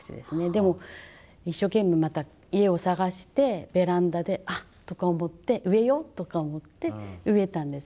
でも一生懸命また家を探してベランダで「あっ！」とか思って「植えよう」とか思って植えたんですね。